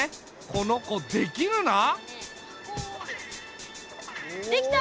この子できるな！出来た！